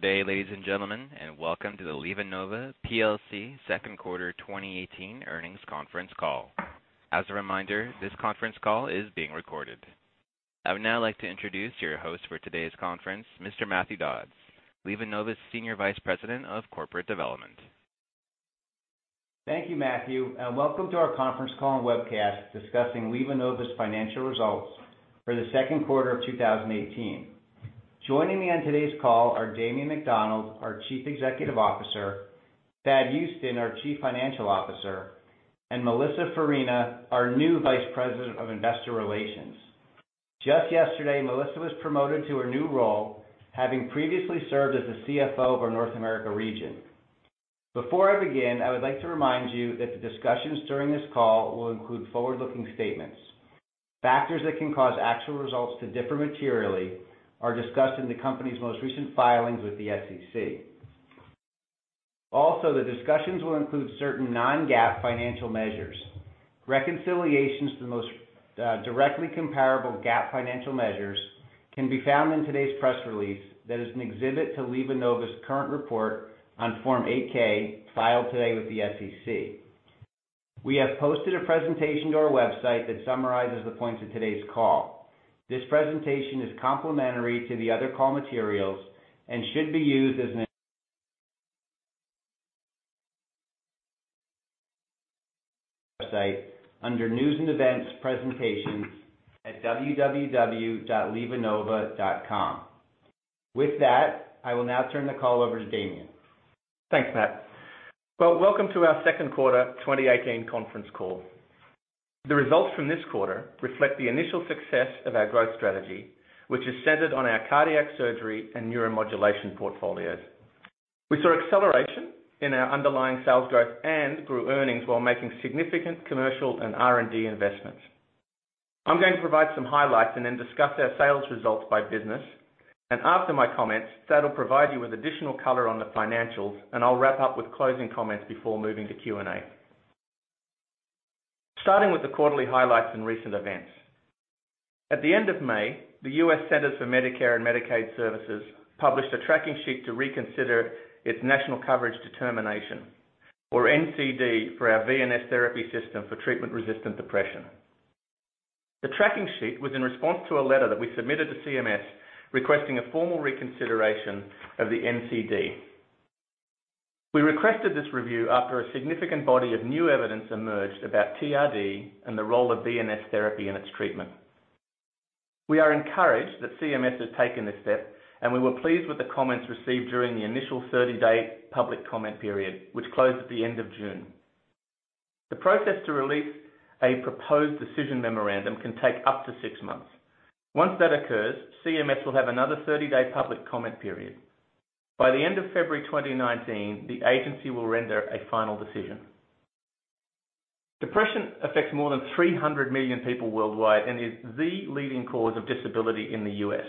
Good day, ladies and gentlemen, and welcome to the LivaNova PLC second quarter 2018 earnings conference call. As a reminder, this conference call is being recorded. I would now like to introduce your host for today's conference, Mr. Matthew Dodds, LivaNova's Senior Vice President of Corporate Development. Thank you, Matthew, and welcome to our conference call and webcast discussing LivaNova's financial results for the second quarter of 2018. Joining me on today's call are Damien McDonald, our Chief Executive Officer, Thad Huston, our Chief Financial Officer, and Melissa Farina, our new Vice President of Investor Relations. Just yesterday, Melissa was promoted to her new role, having previously served as the CFO of our North America region. Before I begin, I would like to remind you that the discussions during this call will include forward-looking statements. Factors that can cause actual results to differ materially are discussed in the company's most recent filings with the SEC. Also, the discussions will include certain non-GAAP financial measures. Reconciliations to the most directly comparable GAAP financial measures can be found in today's press release. That is an exhibit to LivaNova's current report on Form 8-K filed today with the SEC. We have posted a presentation to our website that summarizes the points of today's call. This presentation is complementary to the other call materials and should be used as an website under News and Events, Presentations at www.livanova.com. With that, I will now turn the call over to Damien. Thanks, Matt. Well, welcome to our second quarter 2018 conference call. The results from this quarter reflect the initial success of our growth strategy, which is centered on our cardiac surgery and neuromodulation portfolios. We saw acceleration in our underlying sales growth and grew earnings while making significant commercial and R&D investments. I'm going to provide some highlights and then discuss our sales results by business, and after my comments, Thad will provide you with additional color on the financials, and I'll wrap up with closing comments before moving to Q&A. Starting with the quarterly highlights and recent events. At the end of May, the U.S. Centers for Medicare and Medicaid Services published a tracking sheet to reconsider its national coverage determination, or NCD, for our VNS Therapy system for treatment-resistant depression. The tracking sheet was in response to a letter that we submitted to CMS requesting a formal reconsideration of the NCD. We requested this review after a significant body of new evidence emerged about TRD and the role of VNS Therapy in its treatment. We are encouraged that CMS has taken this step, and we were pleased with the comments received during the initial 30-day public comment period, which closed at the end of June. The process to release a proposed decision memorandum can take up to 6 months. Once that occurs, CMS will have another 30-day public comment period. By the end of February 2019, the agency will render a final decision. Depression affects more than 300 million people worldwide and is the leading cause of disability in the U.S.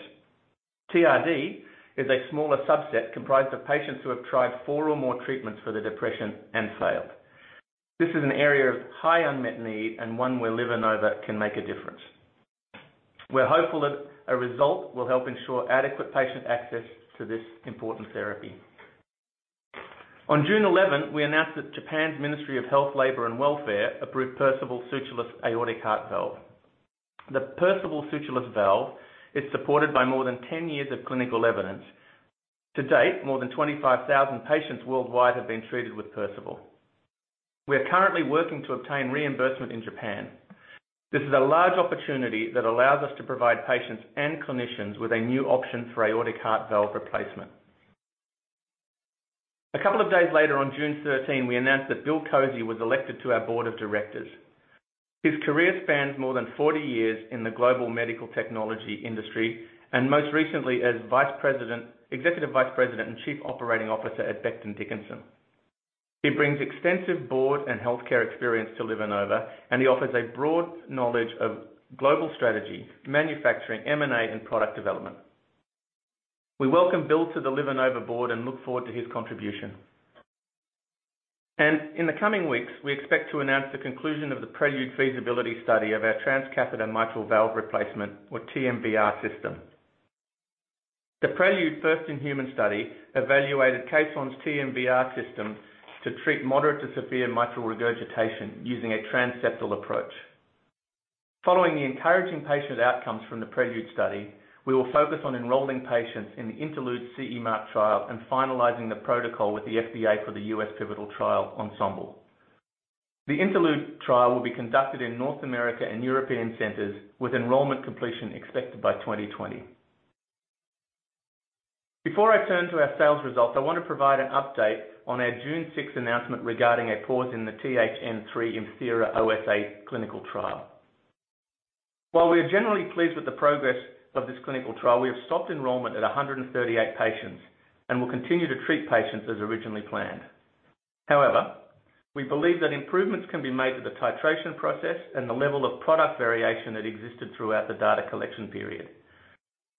TRD is a smaller subset comprised of patients who have tried four or more treatments for their depression and failed. This is an area of high unmet need and one where LivaNova can make a difference. We are hopeful that a result will help ensure adequate patient access to this important therapy. On June 11th, we announced that Japan's Ministry of Health, Labour and Welfare approved Perceval Sutureless aortic heart valve. The Perceval Sutureless valve is supported by more than 10 years of clinical evidence. To date, more than 25,000 patients worldwide have been treated with Perceval. We are currently working to obtain reimbursement in Japan. This is a large opportunity that allows us to provide patients and clinicians with a new option for aortic heart valve replacement. A couple of days later, on June 13th, we announced that Bill Kozy was elected to our board of directors. His career spans more than 40 years in the global medical technology industry and most recently as Executive Vice President and Chief Operating Officer at Becton, Dickinson. He brings extensive board and healthcare experience to LivaNova, and he offers a broad knowledge of global strategy, manufacturing, M&A, and product development. We welcome Bill to the LivaNova board and look forward to his contribution. In the coming weeks, we expect to announce the conclusion of the PRELUDE feasibility study of our transcatheter mitral valve replacement, or TMVR, system. The PRELUDE first-in-human study evaluated Caisson's TMVR system to treat moderate to severe mitral regurgitation using a transseptal approach. Following the encouraging patient outcomes from the PRELUDE study, we will focus on enrolling patients in the INTERLUDE CE Mark trial and finalizing the protocol with the FDA for the U.S. pivotal trial ENSEMBLE. The INTERLUDE trial will be conducted in North America and European centers, with enrollment completion expected by 2020. Before I turn to our sales results, I want to provide an update on our June 6th announcement regarding a pause in the THN3 ImThera OSA clinical trial. While we are generally pleased with the progress of this clinical trial, we have stopped enrollment at 138 patients and will continue to treat patients as originally planned. However, we believe that improvements can be made to the titration process and the level of product variation that existed throughout the data collection period.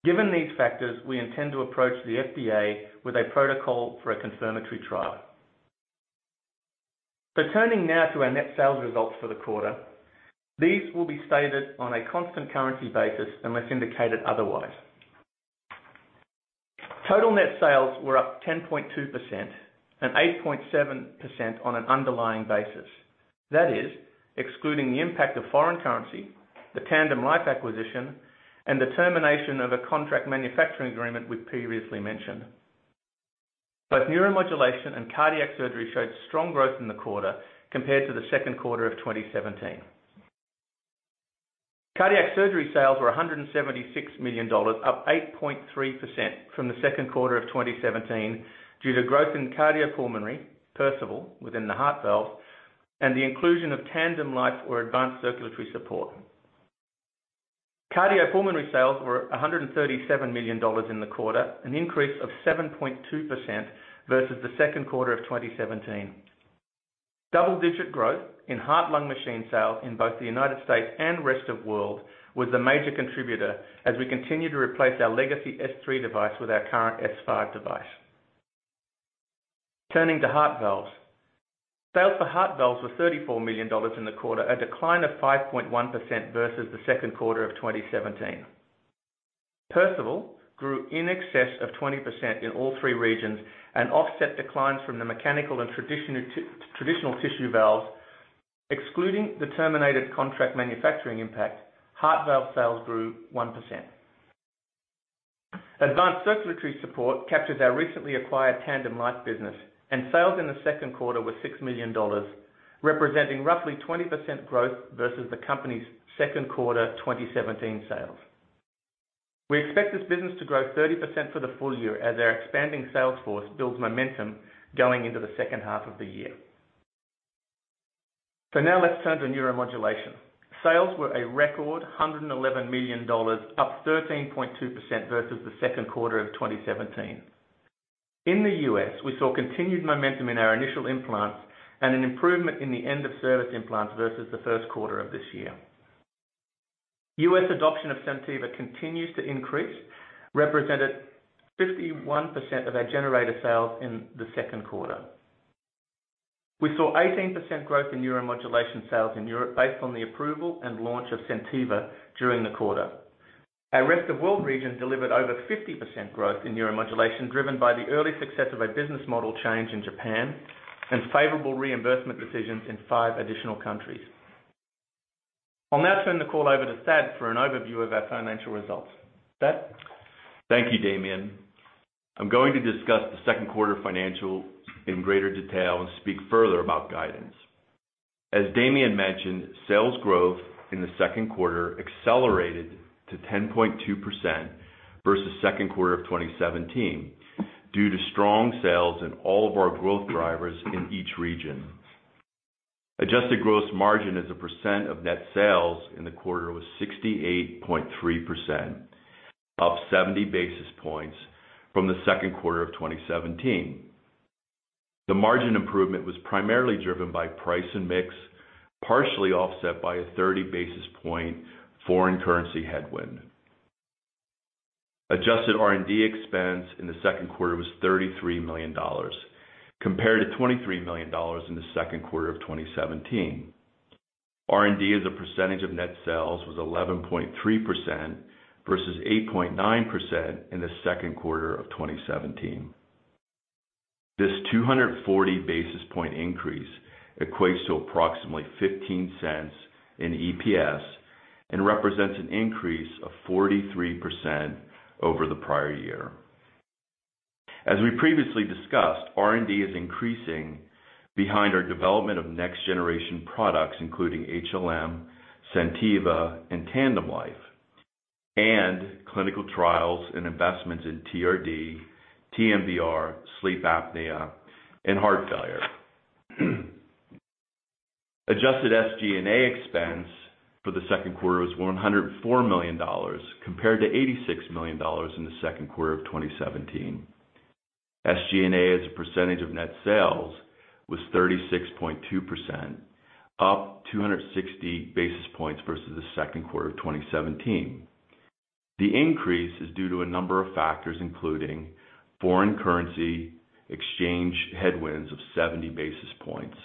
Given these factors, we intend to approach the FDA with a protocol for a confirmatory trial. Turning now to our net sales results for the quarter. These will be stated on a constant currency basis unless indicated otherwise. Total net sales were up 10.2% and 8.7% on an underlying basis. That is, excluding the impact of foreign currency, the TandemLife acquisition, and the termination of a contract manufacturing agreement we previously mentioned. Both neuromodulation and cardiac surgery showed strong growth in the quarter compared to the second quarter of 2017. Cardiac surgery sales were $176 million, up 8.3% from the second quarter of 2017 due to growth in cardiopulmonary, Perceval, within the heart valve, and the inclusion of TandemLife or advanced circulatory support. Cardiopulmonary sales were $137 million in the quarter, an increase of 7.2% versus the second quarter of 2017. Double-digit growth in heart-lung machine sales in both the U.S. and rest of world was a major contributor as we continue to replace our legacy S3 device with our current S5 device. Turning to heart valves. Sales for heart valves were $34 million in the quarter, a decline of 5.1% versus the second quarter of 2017. Perceval grew in excess of 20% in all three regions and offset declines from the mechanical and traditional tissue valves. Excluding the terminated contract manufacturing impact, heart valve sales grew 1%. Advanced circulatory support captures our recently acquired TandemLife business, and sales in the second quarter were $6 million, representing roughly 20% growth versus the company's second quarter 2017 sales. We expect this business to grow 30% for the full year as our expanding sales force builds momentum going into the second half of the year. Now let's turn to neuromodulation. Sales were a record $111 million, up 13.2% versus the second quarter of 2017. In the U.S., we saw continued momentum in our initial implants and an improvement in the end-of-service implants versus the first quarter of this year. U.S. adoption of SenTiva continues to increase, represented 51% of our generator sales in the second quarter. We saw 18% growth in neuromodulation sales in Europe based on the approval and launch of SenTiva during the quarter. Our rest of world region delivered over 50% growth in neuromodulation, driven by the early success of our business model change in Japan and favorable reimbursement decisions in five additional countries. I'll now turn the call over to Thad for an overview of our financial results. Thad? Thank you, Damien. I'm going to discuss the second quarter financials in greater detail and speak further about guidance. As Damien mentioned, sales growth in the second quarter accelerated to 10.2% versus second quarter of 2017 due to strong sales in all of our growth drivers in each region. Adjusted gross margin as a percent of net sales in the quarter was 68.3%, up 70 basis points from the second quarter of 2017. The margin improvement was primarily driven by price and mix, partially offset by a 30 basis point foreign currency headwind. Adjusted R&D expense in the second quarter was $33 million, compared to $23 million in the second quarter of 2017. R&D as a percentage of net sales was 11.3% versus 8.9% in the second quarter of 2017. This 240 basis point increase equates to approximately $0.15 in EPS and represents an increase of 43% over the prior year. As we previously discussed, R&D is increasing behind our development of next-generation products, including HLM, SenTiva, and TandemLife, and clinical trials and investments in TRD, TMVR, sleep apnea, and heart failure. Adjusted SG&A expense for the second quarter was $104 million, compared to $86 million in the second quarter of 2017. SG&A as a percentage of net sales was 36.2%, up 260 basis points versus the second quarter of 2017. The increase is due to a number of factors, including foreign currency exchange headwinds of 70 basis points,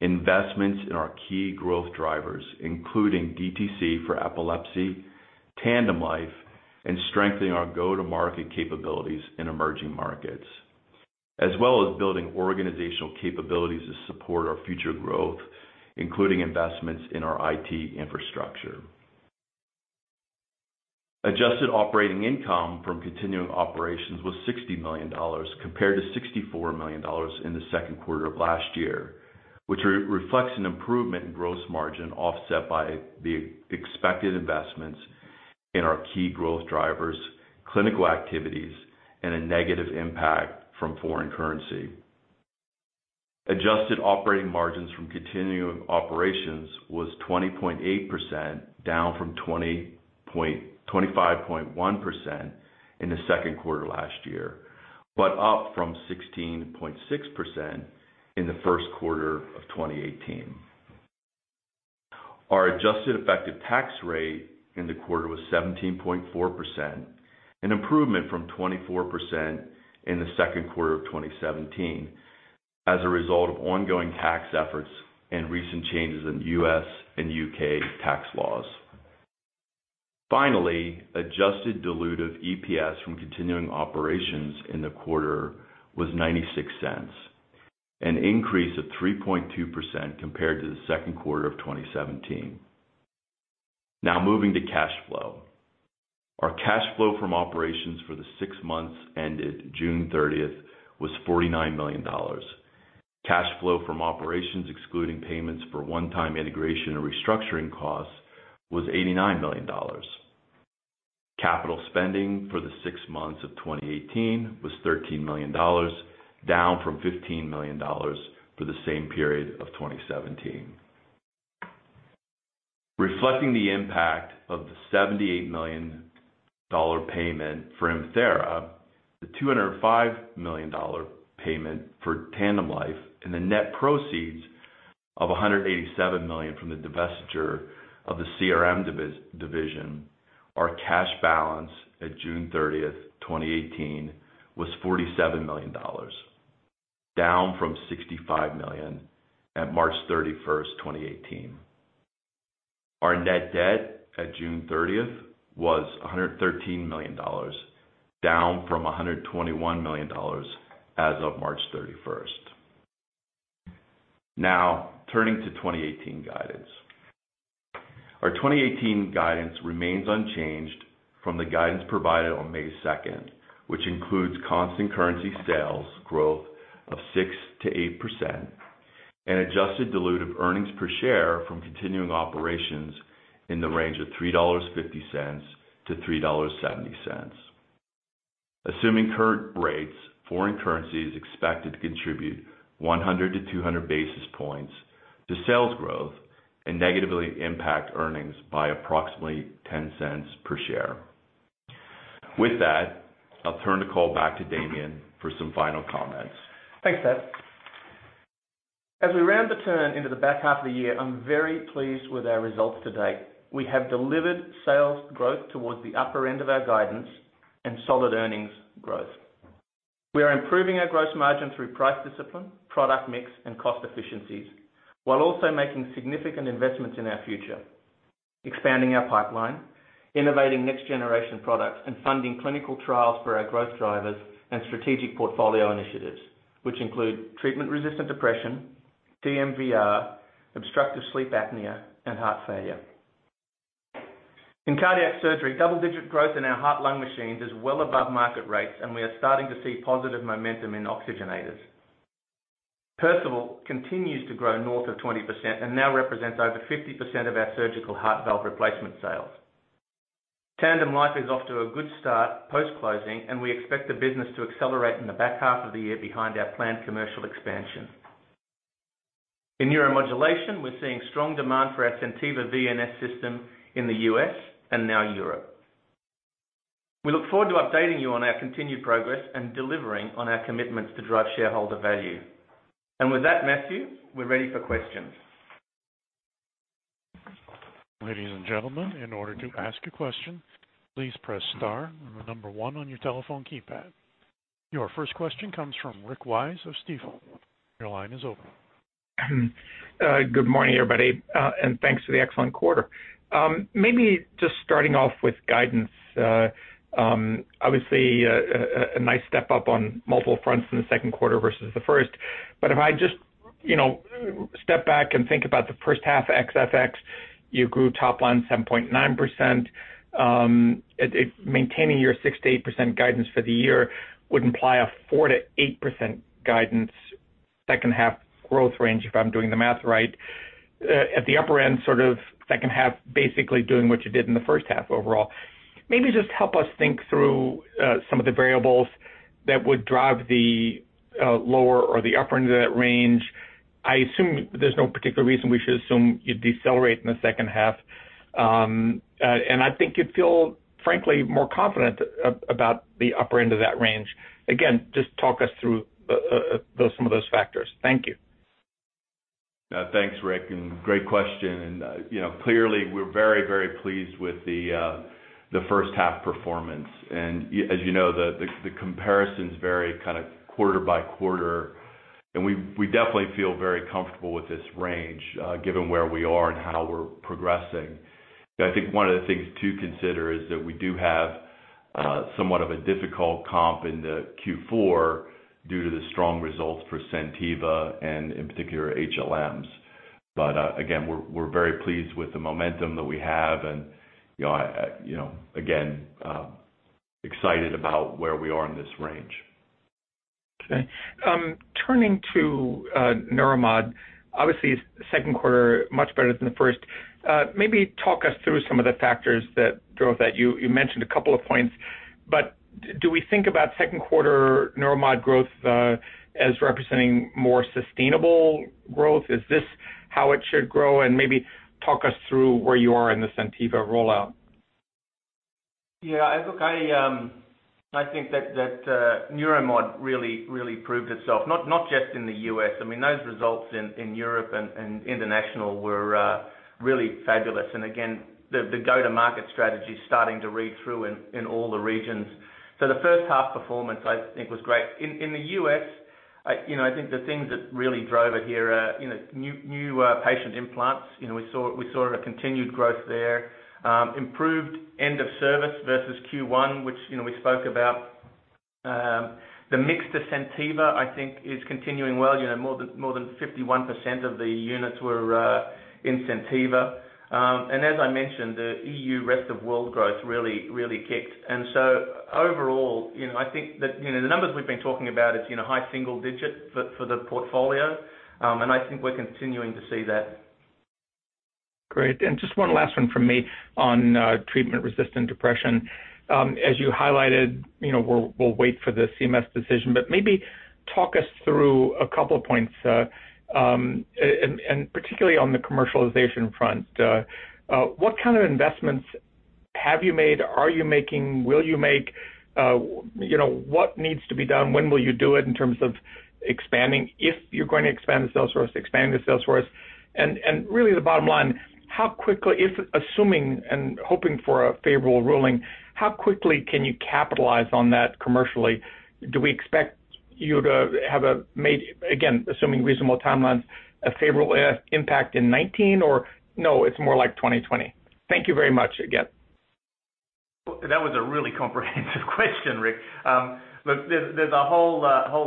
investments in our key growth drivers, including DTC for epilepsy, TandemLife, and strengthening our go-to-market capabilities in emerging markets, as well as building organizational capabilities to support our future growth, including investments in our IT infrastructure. Adjusted operating income from continuing operations was $60 million, compared to $64 million in the second quarter of last year, which reflects an improvement in gross margin offset by the expected investments in our key growth drivers, clinical activities, and a negative impact from foreign currency. Adjusted operating margins from continuing operations was 20.8%, down from 25.1% in the second quarter last year, but up from 16.6% in the first quarter of 2018. Our adjusted effective tax rate in the quarter was 17.4%, an improvement from 24% in the second quarter of 2017, as a result of ongoing tax efforts and recent changes in the U.S. and U.K. tax laws. Adjusted dilutive EPS from continuing operations in the quarter was $0.96, an increase of 3.2% compared to the second quarter of 2017. Moving to cash flow. Our cash flow from operations for the six months ended June 30th was $49 million. Cash flow from operations, excluding payments for one-time integration and restructuring costs, was $89 million. Capital spending for the six months of 2018 was $13 million, down from $15 million for the same period of 2017. Reflecting the impact of the $78 million payment for ImThera, the $205 million payment for TandemLife, and the net proceeds of $187 million from the divestiture of the CRM division, our cash balance at June 30th, 2018 was $47 million, down from $65 million at March 31st, 2018. Our net debt at June 30th was $113 million, down from $121 million as of March 31st. Turning to 2018 guidance. Our 2018 guidance remains unchanged from the guidance provided on May 2nd, which includes constant currency sales growth of 6%-8% and adjusted dilutive earnings per share from continuing operations in the range of $3.50-$3.70. Assuming current rates, foreign currency is expected to contribute 100 to 200 basis points to sales growth and negatively impact earnings by approximately $0.10 per share. I'll turn the call back to Damien for some final comments. Thanks, Thad. As we round the turn into the back half of the year, I'm very pleased with our results to date. We have delivered sales growth towards the upper end of our guidance and solid earnings growth. We are improving our gross margin through price discipline, product mix, and cost efficiencies, while also making significant investments in our future. Expanding our pipeline, innovating next-generation products, and funding clinical trials for our growth drivers and strategic portfolio initiatives, which include treatment-resistant depression, TMVR, obstructive sleep apnea, and heart failure. In cardiac surgery, double-digit growth in our heart-lung machines is well above market rates, and we are starting to see positive momentum in oxygenators. Perceval continues to grow north of 20% and now represents over 50% of our surgical heart valve replacement sales. TandemLife is off to a good start post-closing, we expect the business to accelerate in the back half of the year behind our planned commercial expansion. In neuromodulation, we're seeing strong demand for our SenTiva VNS system in the U.S. and now Europe. We look forward to updating you on our continued progress and delivering on our commitments to drive shareholder value. With that, Matthew, we're ready for questions. Ladies and gentlemen, in order to ask a question, please press star and the number one on your telephone keypad. Your first question comes from Rick Wise of Stifel. Your line is open. Good morning, everybody, thanks for the excellent quarter. Maybe just starting off with guidance. Obviously, a nice step up on multiple fronts in the second quarter versus the first. If I just step back and think about the first half ex FX, you grew top line 7.9%. Maintaining your 6%-8% guidance for the year would imply a 4%-8% guidance second half growth range, if I'm doing the math right. At the upper end, second half basically doing what you did in the first half overall. Maybe just help us think through some of the variables that would drive the lower or the upper end of that range. I assume there's no particular reason we should assume you'd decelerate in the second half. I think you'd feel, frankly, more confident about the upper end of that range. Just talk us through some of those factors. Thank you. Thanks, Rick, great question. Clearly, we're very pleased with the first half performance. As you know, the comparisons vary kind of quarter by quarter. We definitely feel very comfortable with this range, given where we are and how we're progressing. I think one of the things to consider is that we do have somewhat of a difficult comp into Q4 due to the strong results for SenTiva and in particular HLMs. Again, we're very pleased with the momentum that we have, and again, excited about where we are in this range. Turning to Neuromod. Obviously, second quarter, much better than the first. Maybe talk us through some of the factors that drove that. You mentioned a couple of points, do we think about second quarter Neuromod growth as representing more sustainable growth? Is this how it should grow? Maybe talk us through where you are in the SenTiva rollout. Yeah, look, I think that Neuromod really proved itself, not just in the U.S. Those results in Europe and international were really fabulous. Again, the go-to-market strategy is starting to read through in all the regions. The first half performance, I think was great. In the U.S., I think the things that really drove it here are new patient implants. We saw a continued growth there. Improved end of service versus Q1, which we spoke about. The mix to SenTiva, I think, is continuing well. More than 51% of the units were in SenTiva. As I mentioned, the EU rest of world growth really kicked. Overall, I think that the numbers we've been talking about, it's high single digits for the portfolio. I think we're continuing to see that. Just one last one from me on treatment-resistant depression. As you highlighted, we'll wait for the CMS decision, but maybe talk us through a couple of points, particularly on the commercialization front. What kind of investments have you made, are you making, will you make? What needs to be done? When will you do it in terms of expanding, if you're going to expand the sales force? Really the bottom line, how quickly, if assuming and hoping for a favorable ruling, how quickly can you capitalize on that commercially? Do we expect you to have, again, assuming reasonable timelines, a favorable impact in 2019? No, it's more like 2020? Thank you very much again. That was a really comprehensive question, Rick. There's a whole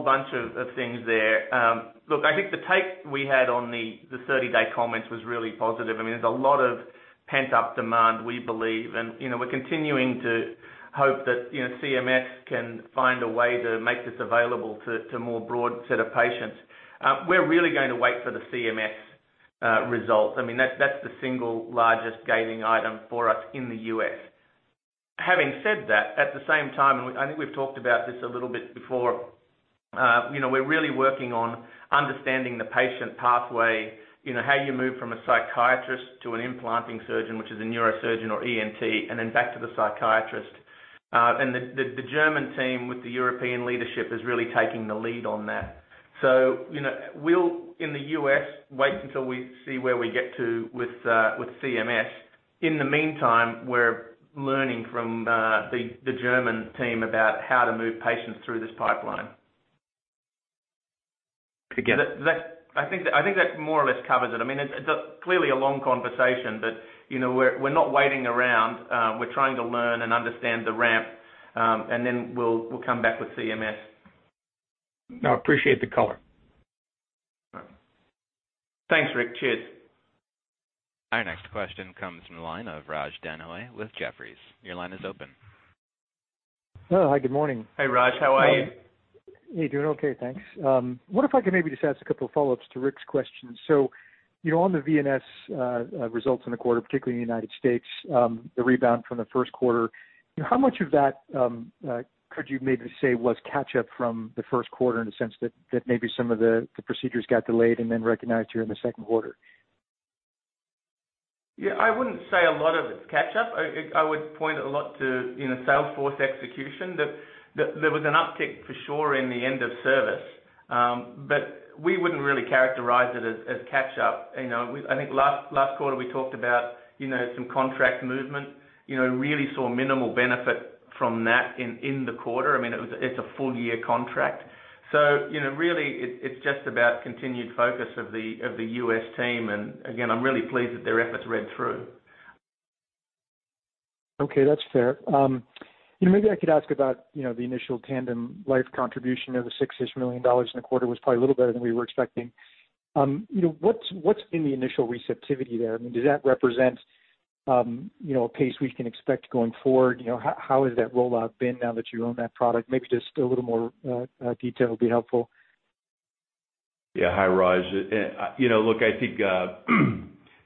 bunch of things there. I think the take we had on the 30-day comments was really positive. There's a lot of pent-up demand, we believe, and we're continuing to hope that CMS can find a way to make this available to more broad set of patients. We're really going to wait for the CMS results. That's the single largest gating item for us in the U.S. Having said that, at the same time, I think we've talked about this a little bit before, we're really working on understanding the patient pathway, how you move from a psychiatrist to an implanting surgeon, which is a neurosurgeon or ENT, and then back to the psychiatrist. The German team with the European leadership is really taking the lead on that. We'll, in the U.S., wait until we see where we get to with CMS. In the meantime, we're learning from the German team about how to move patients through this pipeline. Again. I think that more or less covers it. It's clearly a long conversation, but we're not waiting around. We're trying to learn and understand the ramp, and then we'll come back with CMS. Appreciate the color. Thanks, Rick. Cheers. Our next question comes from the line of Raj Denhoy with Jefferies. Your line is open. Hi. Good morning. Hey, Raj. How are you? Hey. Doing okay, thanks. What if I could maybe just ask a couple of follow-ups to Rick's question. On the VNS results in the quarter, particularly in the U.S., the rebound from the first quarter. How much of that could you maybe say was catch-up from the first quarter in the sense that maybe some of the procedures got delayed and then recognized here in the second quarter? Yeah, I wouldn't say a lot of it's catch-up. I would point a lot to sales force execution. There was an uptick for sure in the end of service. We wouldn't really characterize it as catch-up. I think last quarter we talked about some contract movement. Really saw minimal benefit from that in the quarter. It's a full-year contract. Really, it's just about continued focus of the U.S. team, and again, I'm really pleased that their efforts read through. Okay, that's fair. Maybe I could ask about the initial TandemLife contribution of the $six-ish million in the quarter was probably a little better than we were expecting. What's been the initial receptivity there? Does that represent a pace we can expect going forward? How has that rollout been now that you own that product? Maybe just a little more detail would be helpful. Hi, Raj. Look, I think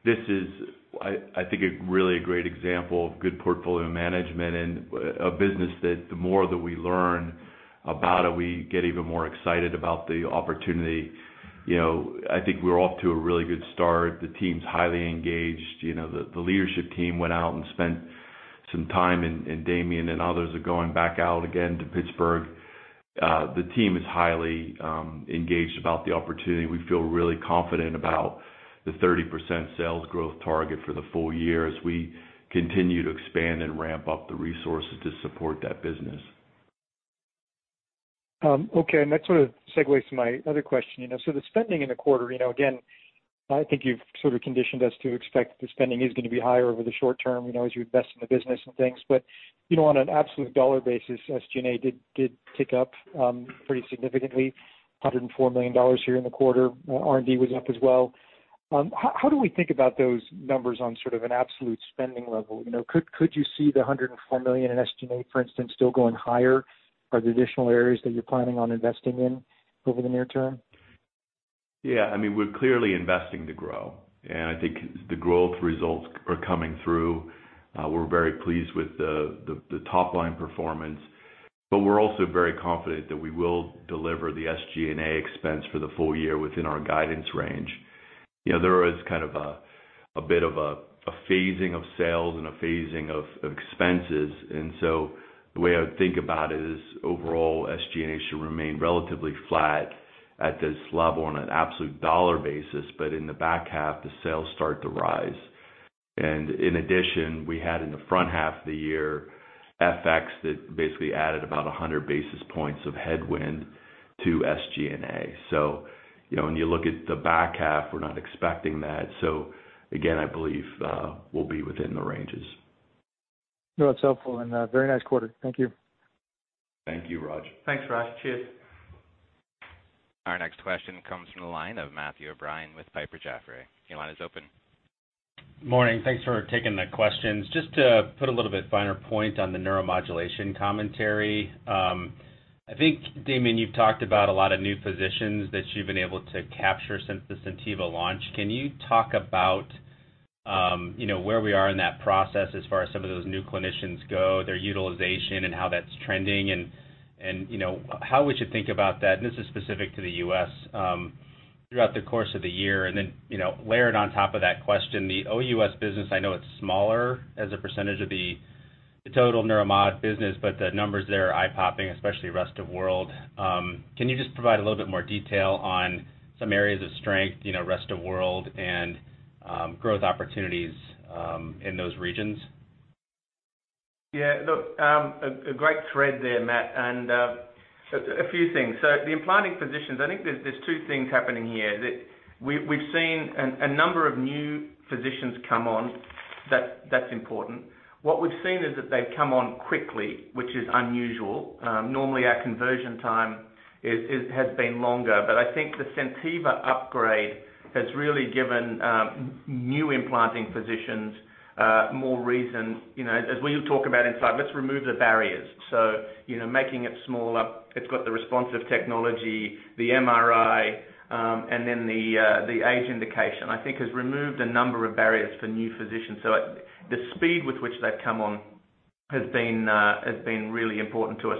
this is really a great example of good portfolio management and a business that the more that we learn about it, we get even more excited about the opportunity. I think we're off to a really good start. The team's highly engaged. The leadership team went out and spent some time, and Damien and others are going back out again to Pittsburgh. The team is highly engaged about the opportunity. We feel really confident about the 30% sales growth target for the full year as we continue to expand and ramp up the resources to support that business. That sort of segues to my other question. The spending in the quarter, again, I think you've sort of conditioned us to expect the spending is going to be higher over the short term, as you invest in the business and things. On an absolute dollar basis, SG&A did tick up pretty significantly, $104 million here in the quarter. R&D was up as well. How do we think about those numbers on sort of an absolute spending level? Could you see the $104 million in SG&A, for instance, still going higher? Are there additional areas that you're planning on investing in over the near term? We're clearly investing to grow, I think the growth results are coming through. We're very pleased with the top-line performance, we're also very confident that we will deliver the SG&A expense for the full year within our guidance range. There is kind of a bit of a phasing of sales and a phasing of expenses. The way I would think about it is overall SG&A should remain relatively flat at this level on an absolute dollar basis. In the back half, the sales start to rise. In addition, we had in the front half of the year, FX that basically added about 100 basis points of headwind to SG&A. When you look at the back half, we're not expecting that. Again, I believe, we'll be within the ranges. That's helpful, very nice quarter. Thank you. Thank you, Raj. Thanks, Raj. Cheers. Our next question comes from the line of Matthew O'Brien with Piper Jaffray. Your line is open. Morning. Thanks for taking the questions. Just to put a little bit finer point on the neuromodulation commentary. I think, Damien, you've talked about a lot of new physicians that you've been able to capture since the SenTiva launch. Can you talk about where we are in that process as far as some of those new clinicians go, their utilization and how that's trending and how we should think about that, and this is specific to the U.S., throughout the course of the year. Layered on top of that question, the OUS business, I know it's smaller as a percentage of the total neuromod business, but the numbers there are eye-popping, especially rest of world. Can you just provide a little bit more detail on some areas of strength, rest of world and growth opportunities, in those regions? A great thread there, Matt, and a few things. The implanting physicians, I think there's two things happening here. We've seen a number of new physicians come on. That's important. What we've seen is that they've come on quickly, which is unusual. Normally our conversion time has been longer. I think the SenTiva upgrade has really given new implanting physicians more reason, as we'll talk about inside, let's remove the barriers. Making it smaller, it's got the responsive technology, the MRI, and then the age indication, I think has removed a number of barriers for new physicians. The speed with which they've come on has been really important to us.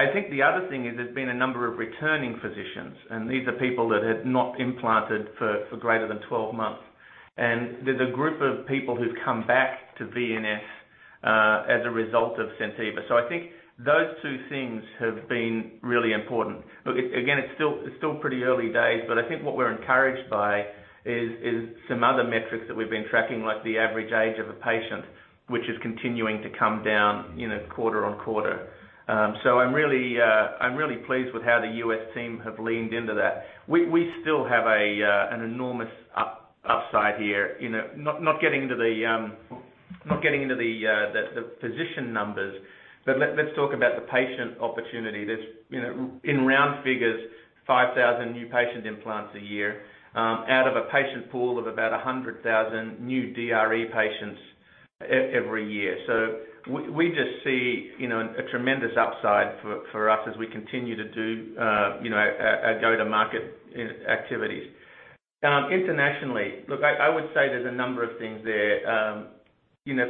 I think the other thing is there's been a number of returning physicians, and these are people that had not implanted for greater than 12 months. There's a group of people who've come back to VNS, as a result of SenTiva. I think those two things have been really important. Again, it's still pretty early days, I think what we're encouraged by is some other metrics that we've been tracking, like the average age of a patient, which is continuing to come down quarter-on-quarter. I'm really pleased with how the U.S. team have leaned into that. We still have an enormous upside here. Not getting into the physician numbers, let's talk about the patient opportunity. There's, in round figures, 5,000 new patient implants a year, out of a patient pool of about 100,000 new DRE patients every year. We just see a tremendous upside for us as we continue to do our go-to-market activities. Internationally, I would say there's a number of things there.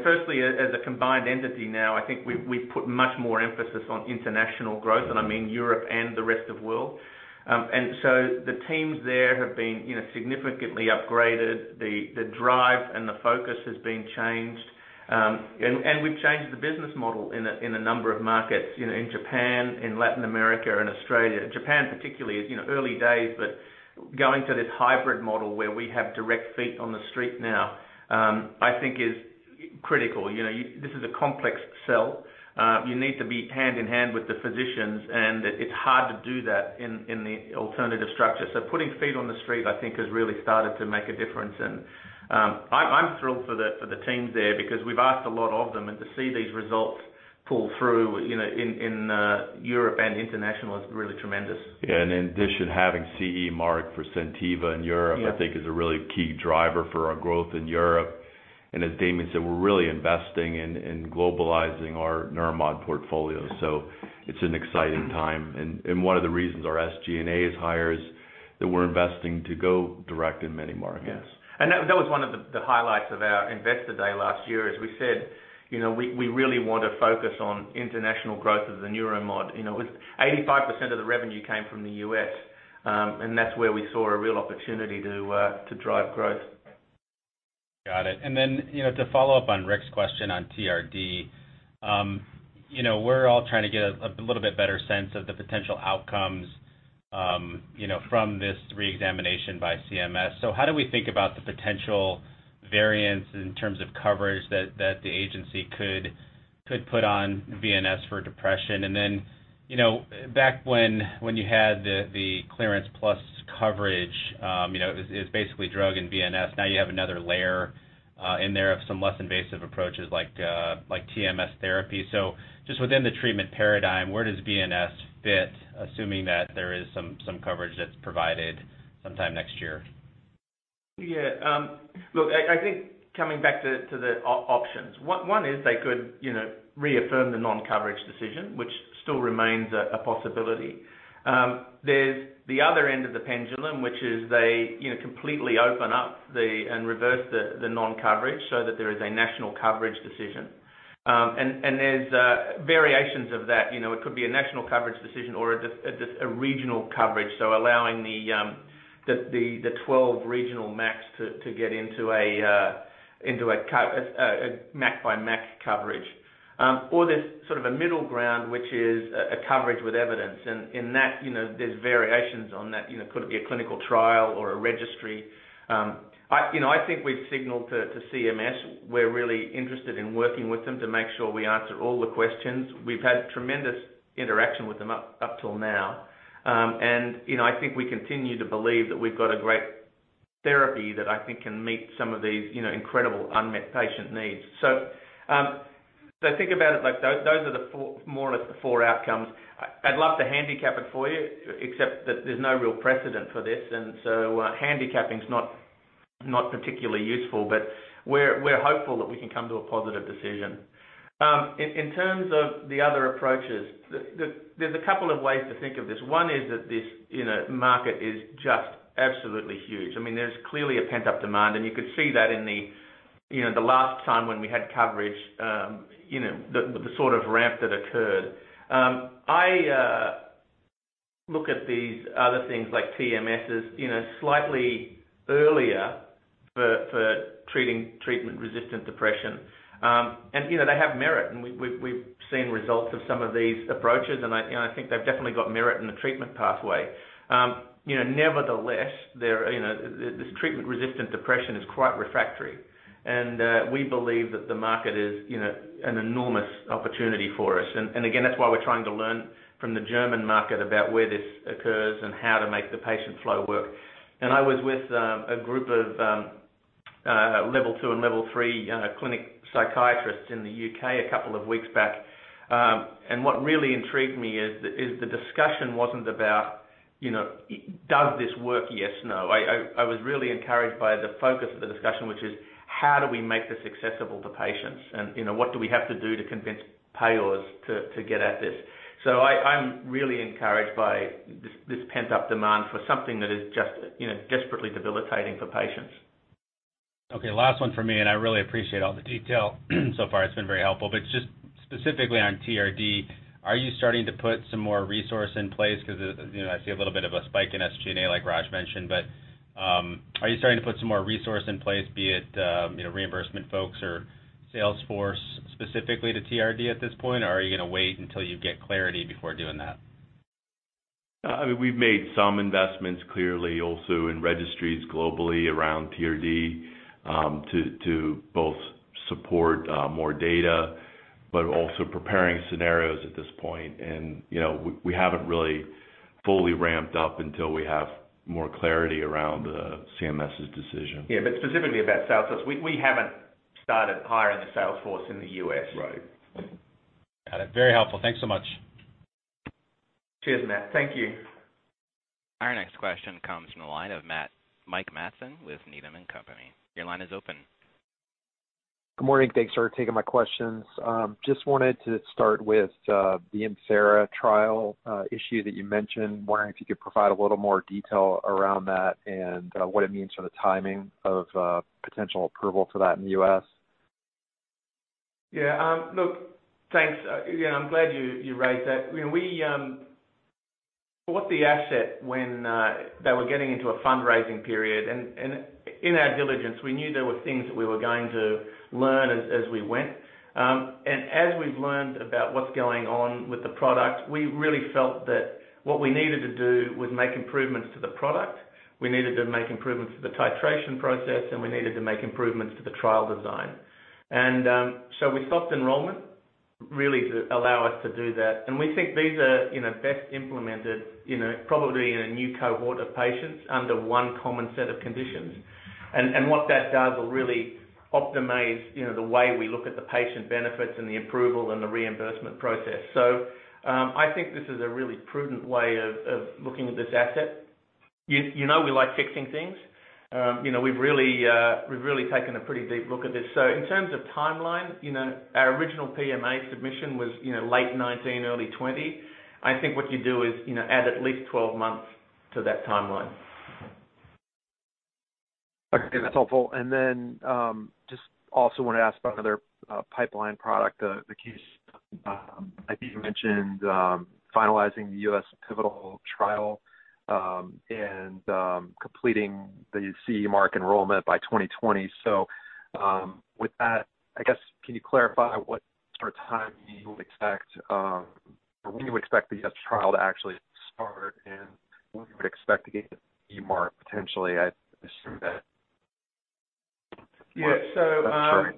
Firstly, as a combined entity now, I think we've put much more emphasis on international growth, and I mean Europe and the rest of world. The teams there have been significantly upgraded. The drive and the focus has been changed. We've changed the business model in a number of markets, in Japan, in Latin America, and Australia. Japan particularly is early days, going to this hybrid model where we have direct feet on the street now, I think is critical. This is a complex sell. You need to be hand in hand with the physicians, it's hard to do that in the alternative structure. Putting feet on the street, I think, has really started to make a difference. I'm thrilled for the teams there because we've asked a lot of them, to see these results pull through in Europe and international is really tremendous. Yeah. In addition, having CE mark for SenTiva in Europe. Yeah I think is a really key driver for our growth in Europe. As Damien said, we're really investing in globalizing our neuromod portfolio. It's an exciting time. One of the reasons our SG&A is higher is that we're investing to go direct in many markets. Yeah. That was one of the highlights of our investor day last year, is we said, we really want to focus on international growth of the neuromod. 85% of the revenue came from the U.S., that's where we saw a real opportunity to drive growth. Got it. Then, to follow up on Rick's question on TRD, we're all trying to get a little bit better sense of the potential outcomes, from this reexamination by CMS. How do we think about the potential variance in terms of coverage that the agency could put on VNS for depression? Then, back when you had the clearance plus coverage, is basically drug and VNS, now you have another layer in there of some less invasive approaches like TMS therapy. Just within the treatment paradigm, where does VNS fit, assuming that there is some coverage that's provided sometime next year? Yeah. Look, I think coming back to the options. One is they could reaffirm the non-coverage decision, which still remains a possibility. There's the other end of the pendulum, which is they completely open up and reverse the non-coverage so that there is a National Coverage Decision. There's variations of that. It could be a National Coverage Decision or just a regional coverage, so allowing the 12 regional MACs to get into a MAC-by-MAC coverage. There's sort of a middle ground, which is a coverage with evidence. In that, there's variations on that. Could it be a clinical trial or a registry? I think we've signaled to CMS we're really interested in working with them to make sure we answer all the questions. We've had tremendous interaction with them up till now. I think we continue to believe that we've got a great therapy that I think can meet some of these incredible unmet patient needs. Think about it like those are more or less the four outcomes. I'd love to handicap it for you, except that there's no real precedent for this, and so handicapping is not particularly useful. We're hopeful that we can come to a positive decision. In terms of the other approaches, there's a couple of ways to think of this. One is that this market is just absolutely huge. There's clearly a pent-up demand, and you could see that in the last time when we had coverage, the sort of ramp that occurred. I look at these other things like TMSs slightly earlier for treating treatment-resistant depression. They have merit, and we've seen results of some of these approaches, and I think they've definitely got merit in the treatment pathway. Nevertheless, this treatment-resistant depression is quite refractory. We believe that the market is an enormous opportunity for us. Again, that's why we're trying to learn from the German market about where this occurs and how to make the patient flow work. I was with a group of level 2 and level 3 clinic psychiatrists in the U.K. a couple of weeks back. What really intrigued me is the discussion wasn't about, "Does this work? Yes, no." I was really encouraged by the focus of the discussion, which is, how do we make this accessible to patients? What do we have to do to convince payers to get at this? I'm really encouraged by this pent-up demand for something that is just desperately debilitating for patients. Okay, last one from me. I really appreciate all the detail so far. It's been very helpful. Just specifically on TRD, are you starting to put some more resource in place? I see a little bit of a spike in SG&A, like Raj mentioned. Are you starting to put some more resource in place, be it reimbursement folks or sales force specifically to TRD at this point? Are you going to wait until you get clarity before doing that? We've made some investments, clearly, also in registries globally around TRD to both support more data, but also preparing scenarios at this point. We haven't really fully ramped up until we have more clarity around CMS's decision. Specifically about sales force. We haven't started hiring a sales force in the U.S. Right. Got it. Very helpful. Thanks so much. Cheers, Matt. Thank you. Our next question comes from the line of Mike Matson with Needham & Company. Your line is open. Good morning. Thanks for taking my questions. Just wanted to start with the ImThera trial issue that you mentioned. Wondering if you could provide a little more detail around that and what it means for the timing of potential approval for that in the U.S. Yeah. Look, thanks. Again, I'm glad you raised that. We bought the asset when they were getting into a fundraising period. In our diligence, we knew there were things that we were going to learn as we went. As we've learned about what's going on with the product, we really felt that what we needed to do was make improvements to the product, we needed to make improvements to the titration process, and we needed to make improvements to the trial design. We stopped enrollment really to allow us to do that. We think these are best implemented probably in a new cohort of patients under one common set of conditions. What that does will really optimize the way we look at the patient benefits and the approval and the reimbursement process. I think this is a really prudent way of looking at this asset. You know we like fixing things. We've really taken a pretty deep look at this. In terms of timeline, our original PMA submission was late 2019, early 2020. I think what you do is add at least 12 months to that timeline. Okay. That's helpful. Then just also want to ask about another pipeline product, the Caisson. I think you mentioned finalizing the U.S. pivotal trial and completing the CE mark enrollment by 2020. With that, I guess, can you clarify what sort of time you would expect or when you expect the U.S. trial to actually start and when you would expect to get CE mark, potentially? I assume that- Yeah. -that's coming.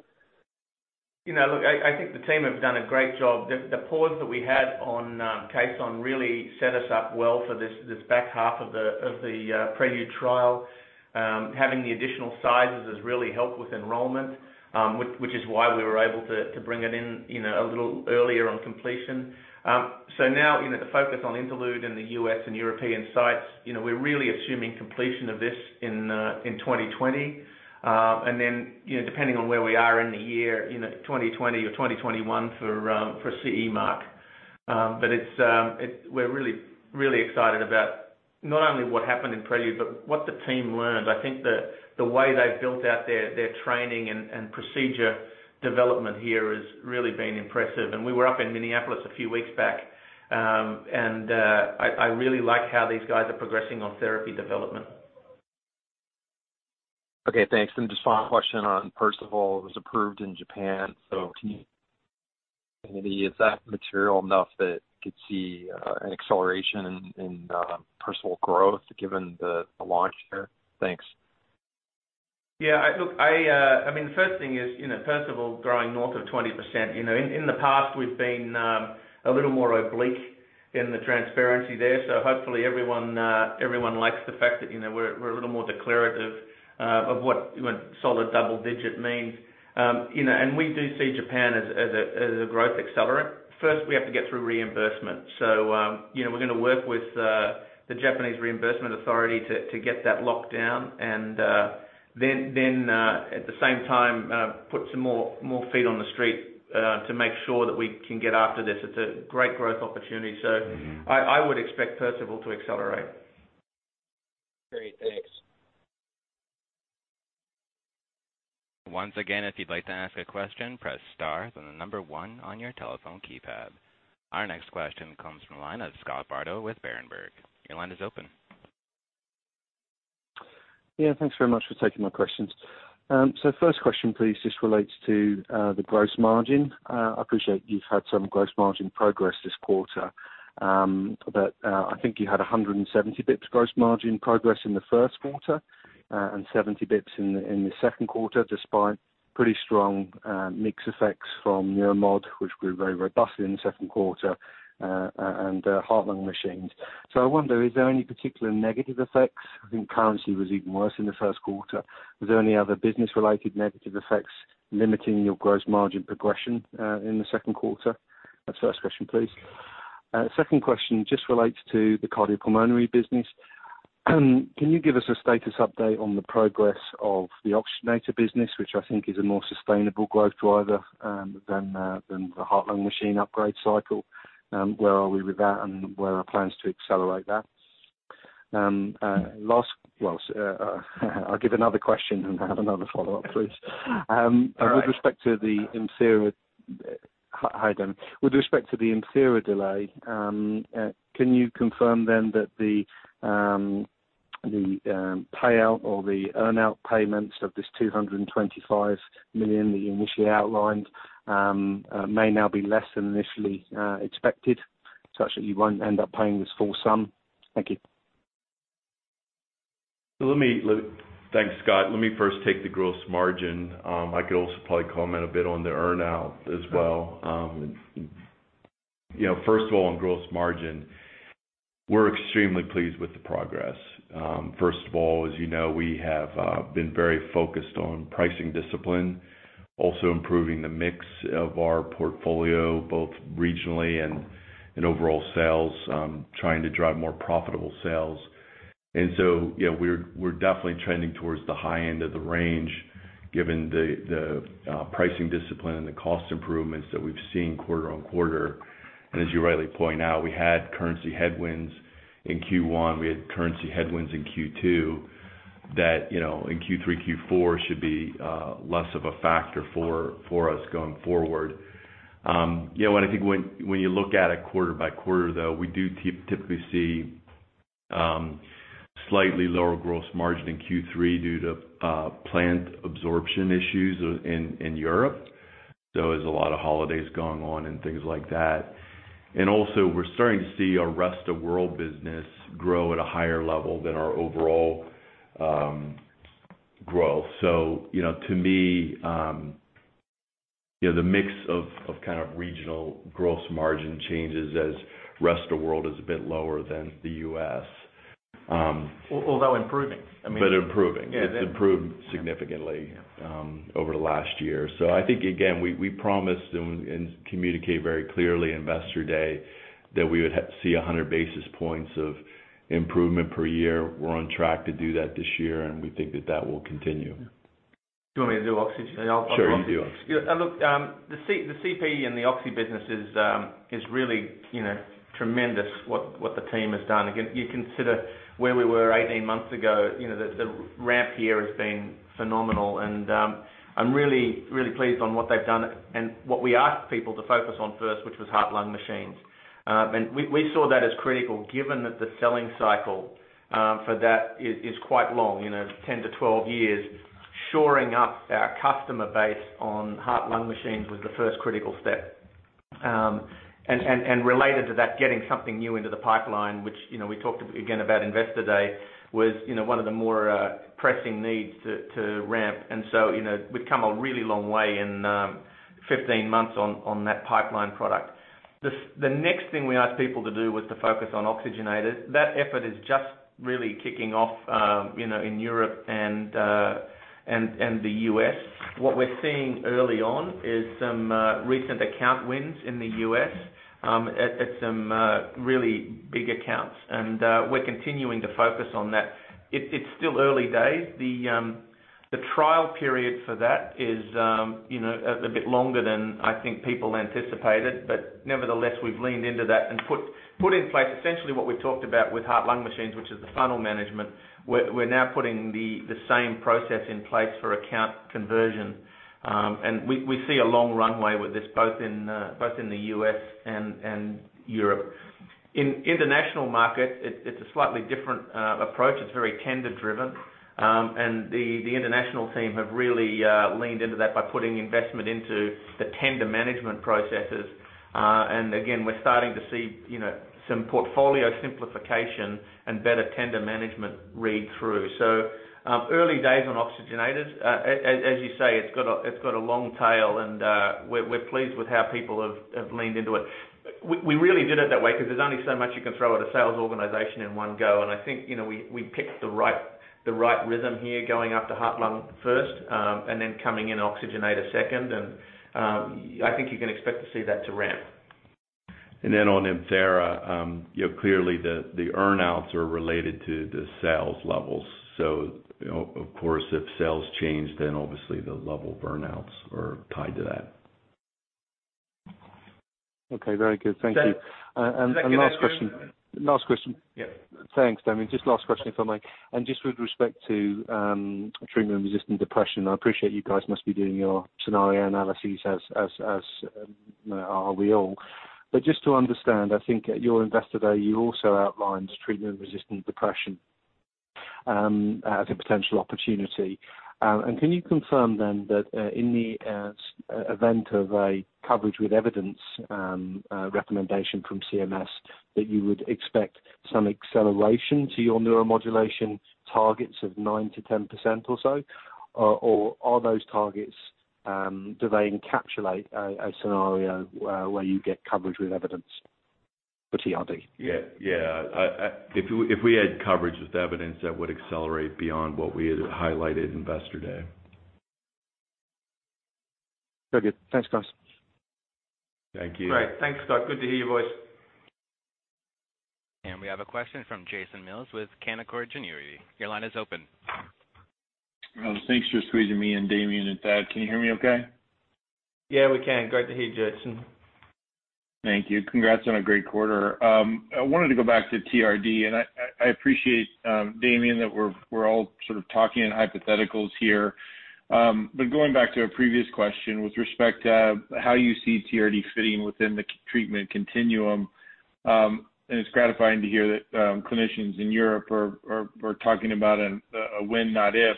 Look, I think the team have done a great job. The pause that we had on Caisson really set us up well for this back half of the PRELUDE trial. Having the additional sizes has really helped with enrollment, which is why we were able to bring it in a little earlier on completion. Now, the focus on INTERLUDE in the U.S. and European sites, we're really assuming completion of this in 2020. Then, depending on where we are in the year, 2020 or 2021 for CE mark. We're really excited about not only what happened in PRELUDE, but what the team learned. I think that the way they've built out their training and procedure development here has really been impressive. We were up in Minneapolis a few weeks back. I really like how these guys are progressing on therapy development. Okay, thanks. Just one question on Perceval. It was approved in Japan, is that material enough that you could see an acceleration in Perceval growth given the launch there? Thanks. Yeah. Look, first thing is, Perceval growing north of 20%. In the past, we've been a little more oblique in the transparency there. Hopefully everyone likes the fact that we're a little more declarative of what solid double-digit means. We do see Japan as a growth accelerant. First, we have to get through reimbursement. We're going to work with the Japanese reimbursement authority to get that locked down, and then at the same time put some more feet on the street to make sure that we can get after this. It's a great growth opportunity. I would expect Perceval to accelerate. Great. Thanks. Once again, if you'd like to ask a question, press star, then the number one on your telephone keypad. Our next question comes from the line of Scott Bardo with Berenberg. Your line is open. Yeah. Thanks very much for taking my questions. First question, please, just relates to the gross margin. I appreciate you've had some gross margin progress this quarter, but I think you had 170 basis points gross margin progress in the first quarter, and 70 basis points in the second quarter, despite pretty strong mix effects from Neuromod, which grew very robust in the second quarter, and heart-lung machines. I wonder, is there any particular negative effects? I think currency was even worse in the first quarter. Was there any other business-related negative effects limiting your gross margin progression in the second quarter? That's first question, please. Second question just relates to the cardiopulmonary business. Can you give us a status update on the progress of the oxygenator business, which I think is a more sustainable growth driver than the heart-lung machine upgrade cycle? Where are we with that, and where are plans to accelerate that? I'll give another question and have another follow-up, please. All right. With respect to the ImThera delay, can you confirm then that the payout or the earn-out payments of this $225 million that you initially outlined may now be less than initially expected, such that you won't end up paying this full sum? Thank you. Thanks, Scott. Let me first take the gross margin. I could also probably comment a bit on the earn-out as well. First of all, on gross margin, we're extremely pleased with the progress. First of all, as you know, we have been very focused on pricing discipline, also improving the mix of our portfolio, both regionally and in overall sales, trying to drive more profitable sales. We're definitely trending towards the high end of the range, given the pricing discipline and the cost improvements that we've seen quarter-on-quarter. As you rightly point out, we had currency headwinds in Q1. We had currency headwinds in Q2 that in Q3, Q4 should be less of a factor for us going forward. I think when you look at it quarter-by-quarter, though, we do typically see slightly lower gross margin in Q3 due to plant absorption issues in Europe. There's a lot of holidays going on and things like that. Also, we're starting to see our Rest of World business grow at a higher level than our overall growth. To me, the mix of kind of regional gross margin changes as Rest of World is a bit lower than the U.S. Although improving. Improving. Yeah. It's improved significantly over the last year. I think, again, we promised and communicate very clearly Investor Day that we would see 100 basis points of improvement per year. We're on track to do that this year, and we think that that will continue. Do you want me to do oxygen? Sure, you do oxygen. Look, the CP and the oxy business is really tremendous what the team has done. Again, you consider where we were 18 months ago. The ramp here has been phenomenal, and I'm really pleased on what they've done and what we asked people to focus on first, which was heart-lung machines. We saw that as critical given that the selling cycle for that is quite long, 10-12 years. Shoring up our customer base on heart-lung machines was the first critical step. Related to that, getting something new into the pipeline, which we talked, again, about Investor Day, was one of the more pressing needs to ramp. We've come a really long way in 15 months on that pipeline product. The next thing we asked people to do was to focus on oxygenators. That effort is just really kicking off in Europe and the U.S. What we're seeing early on is some recent account wins in the U.S. at some really big accounts, and we're continuing to focus on that. It's still early days. The trial period for that is a bit longer than I think people anticipated. Nevertheless, we've leaned into that and put in place essentially what we've talked about with heart-lung machines, which is the funnel management. We're now putting the same process in place for account conversion. We see a long runway with this, both in the U.S. and Europe. In international markets, it's a slightly different approach. It's very tender-driven. The international team have really leaned into that by putting investment into the tender management processes. Again, we're starting to see some portfolio simplification and better tender management read through. Early days on oxygenators. As you say, it's got a long tail, and we're pleased with how people have leaned into it. We really did it that way because there's only so much you can throw at a sales organization in one go. I think we picked the right rhythm here, going after heart-lung first, then coming in oxygenator second, and I think you can expect to see that to ramp. On ImThera, clearly the earn-outs are related to the sales levels. Of course, if sales change, then obviously the level earn-outs are tied to that. Okay. Very good. Thank you. Is that good? Last question. Yeah. Thanks, Damien. Just last question, if I may. Just with respect to treatment-resistant depression, I appreciate you guys must be doing your scenario analysis, as are we all. Just to understand, I think at your investor day, you also outlined treatment-resistant depression as a potential opportunity. Can you confirm then that, in the event of a coverage with evidence recommendation from CMS, that you would expect some acceleration to your neuromodulation targets of 9%-10% or so? Are those targets, do they encapsulate a scenario where you get coverage with evidence for TRD? Yeah. If we had coverage with evidence, that would accelerate beyond what we had highlighted investor day. Very good. Thanks, guys. Thank you. Great. Thanks, Scott. Good to hear your voice. We have a question from Jason Mills with Canaccord Genuity. Your line is open. Thanks for squeezing me in, Damien and Thad. Can you hear me okay? Yeah, we can. Great to hear you, Jason. Thank you. Congrats on a great quarter. I wanted to go back to TRD, and I appreciate, Damien, that we're all sort of talking in hypotheticals here. Going back to a previous question with respect to how you see TRD fitting within the treatment continuum, and it's gratifying to hear that clinicians in Europe are talking about a when, not if.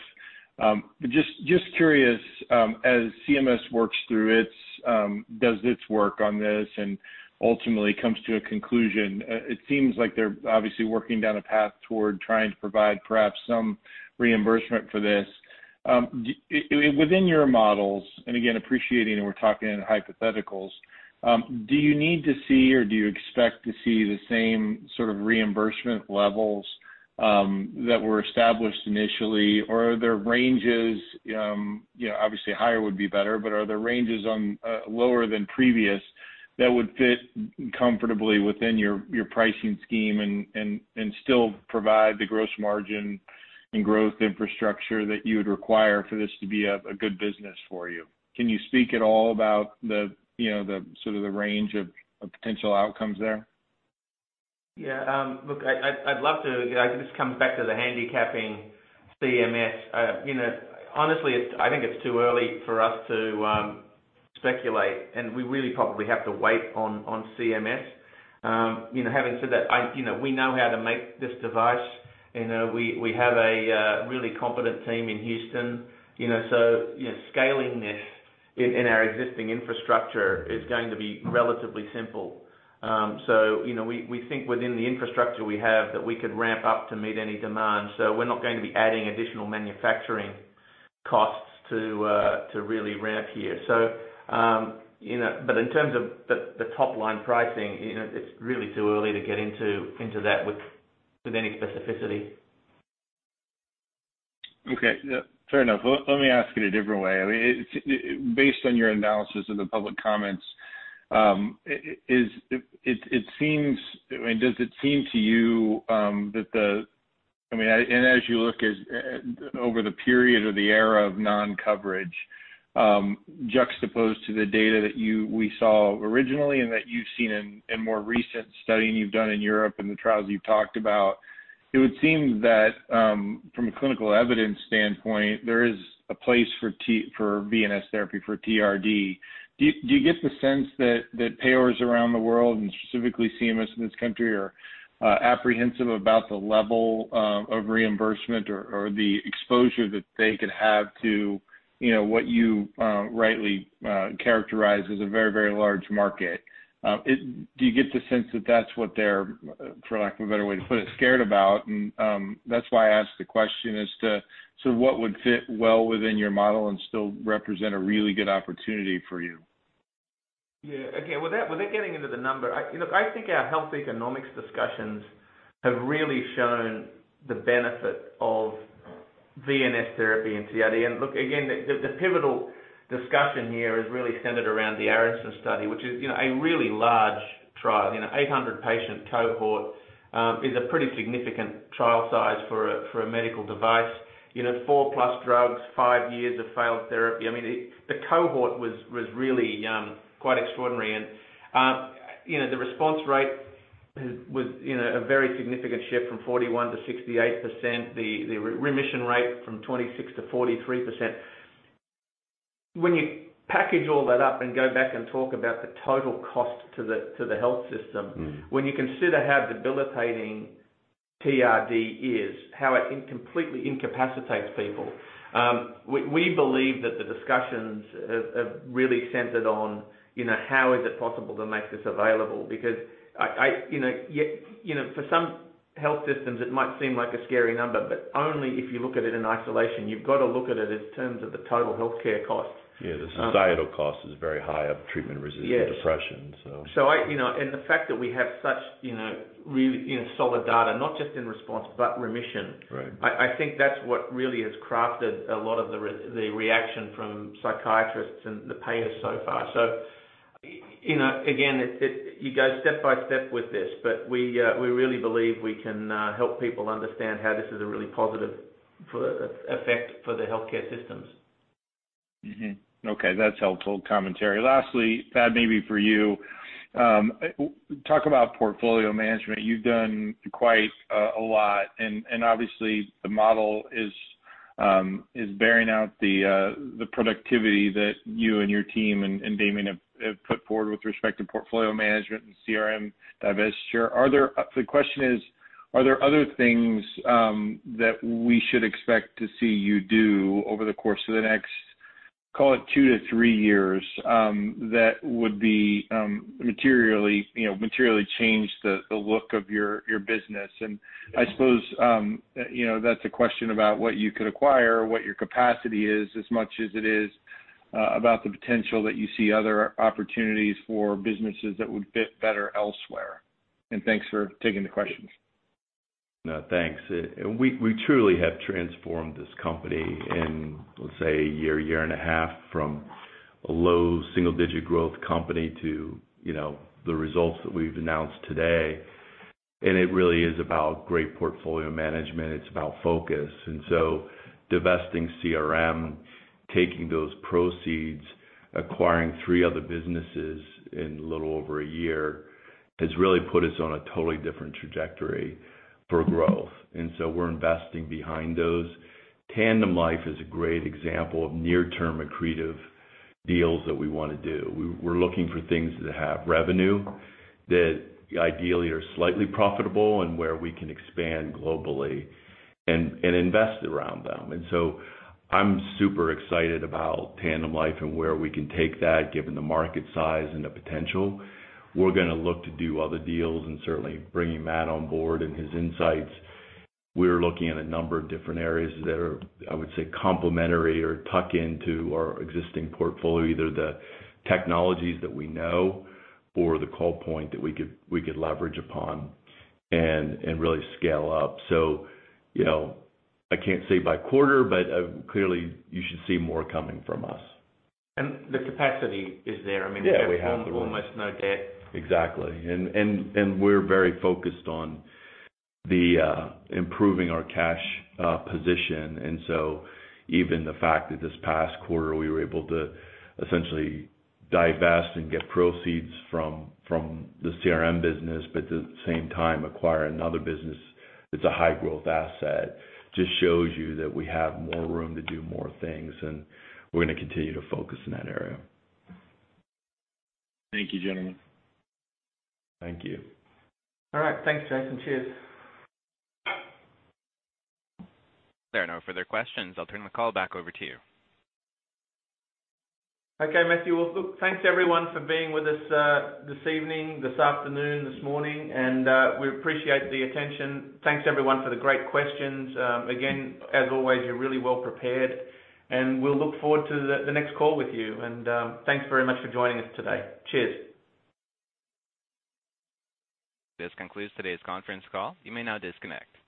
Just curious, as CMS does its work on this and ultimately comes to a conclusion, it seems like they're obviously working down a path toward trying to provide perhaps some reimbursement for this. Within your models, and again, appreciating that we're talking in hypotheticals, do you need to see, or do you expect to see the same sort of reimbursement levels that were established initially, or are there ranges, obviously higher would be better, but are there ranges lower than previous that would fit comfortably within your pricing scheme and still provide the gross margin and growth infrastructure that you would require for this to be a good business for you? Can you speak at all about the range of potential outcomes there? Yeah. Look, I'd love to. Again, this comes back to the handicapping CMS. Honestly, I think it's too early for us to speculate, and we really probably have to wait on CMS. Having said that, we know how to make this device. We have a really competent team in Houston. Scaling this in our existing infrastructure is going to be relatively simple. We think within the infrastructure we have that we could ramp up to meet any demand. We're not going to be adding additional manufacturing costs to really ramp here. In terms of the top-line pricing, it's really too early to get into that with any specificity. Okay. Fair enough. Let me ask it a different way. Based on your analysis of the public comments, does it seem to you that, as you look over the period of the era of non-coverage, juxtaposed to the data that we saw originally and that you've seen in more recent studying you've done in Europe and the trials you've talked about, it would seem that, from a clinical evidence standpoint, there is a place for VNS Therapy for TRD. Do you get the sense that payers around the world, and specifically CMS in this country, are apprehensive about the level of reimbursement or the exposure that they could have to what you rightly characterize as a very, very large market? Do you get the sense that that's what they're, for lack of a better way to put it, scared about? That's why I asked the question as to what would fit well within your model and still represent a really good opportunity for you? Yeah. Okay. Without getting into the number, I think our health economics discussions have really shown the benefit of VNS Therapy in TRD. Look, again, the pivotal discussion here is really centered around the ARISTOTLE study, which is a really large trial. 800-patient cohort is a pretty significant trial size for a medical device. four plus drugs, five years of failed therapy. The cohort was really quite extraordinary. The response rate was a very significant shift from 41%-68%, the remission rate from 26%-43%. When you package all that up and go back and talk about the total cost to the health system, when you consider how debilitating TRD is, how it completely incapacitates people, we believe that the discussions have really centered on how is it possible to make this available because for some health systems, it might seem like a scary number, but only if you look at it in isolation. You've got to look at it in terms of the total healthcare costs. Yeah. The societal cost is very high of treatment-resistant depression. Yes. The fact that we have such really solid data, not just in response, but remission. Right I think that's what really has crafted a lot of the reaction from psychiatrists and the payers so far. Again, you go step by step with this, but we really believe we can help people understand how this is a really positive effect for the healthcare systems. Mm-hmm. Okay. That's helpful commentary. Lastly, Thad, maybe for you. Talk about portfolio management. You've done quite a lot, and obviously the model is bearing out the productivity that you and your team and Damien have put forward with respect to portfolio management and CRM divestiture. The question is, are there other things that we should expect to see you do over the course of the next, call it two to three years, that would materially change the look of your business? I suppose that's a question about what you could acquire or what your capacity is as much as it is about the potential that you see other opportunities for businesses that would fit better elsewhere. Thanks for taking the questions. No, thanks. We truly have transformed this company in, let's say, a year and a half, from a low single-digit growth company to the results that we've announced today. It really is about great portfolio management. It's about focus. Divesting CRM, taking those proceeds, acquiring three other businesses in a little over a year, has really put us on a totally different trajectory for growth. We're investing behind those. TandemLife is a great example of near-term accretive deals that we want to do. We're looking for things that have revenue, that ideally are slightly profitable and where we can expand globally and invest around them. I'm super excited about TandemLife and where we can take that given the market size and the potential. We're going to look to do other deals and certainly bringing Matt on board and his insights. We're looking at a number of different areas that are, I would say, complementary or tuck into our existing portfolio, either the technologies that we know or the call point that we could leverage upon and really scale up. I can't say by quarter, but clearly you should see more coming from us. The capacity is there. Yeah, we have the room. We have almost no debt. Exactly. We're very focused on improving our cash position. Even the fact that this past quarter, we were able to essentially divest and get proceeds from the CRM business, but at the same time acquire another business that's a high-growth asset, just shows you that we have more room to do more things, and we're going to continue to focus in that area. Thank you, gentlemen. Thank you. All right. Thanks, Jason. Cheers. There are no further questions. I'll turn the call back over to you. Okay, Matthew. Well, look, thanks everyone for being with us this evening, this afternoon, this morning, and we appreciate the attention. Thanks everyone for the great questions. Again, as always, you are really well prepared, and we will look forward to the next call with you. Thanks very much for joining us today. Cheers. This concludes today's conference call. You may now disconnect.